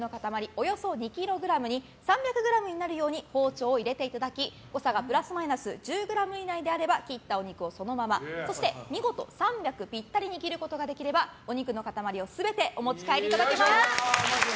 およそ２ｋｇに３００ｇになるように包丁を入れていただき誤差プラスマイナス１０ｇ以内であれば切ったお肉をそのままそして見事３００ｇぴったりに切ることができればお肉の塊を全てお持ち帰りいただけます。